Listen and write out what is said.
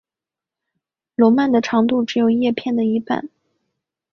笼蔓的长度只有叶片的一半。